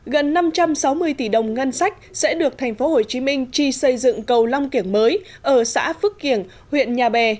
gần năm trăm sáu mươi tỷ đồng ngân sách sẽ được tp hcm chi xây dựng cầu long kiểng mới ở xã phước kiểng huyện nhà bè